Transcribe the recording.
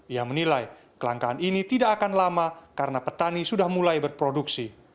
ia menilai kelangkaan ini tidak akan lama karena petani sudah mulai berproduksi